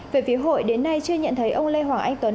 về phía hội đến nay chưa nhận thấy ông lê hoàng anh tuấn